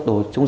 chỉ có những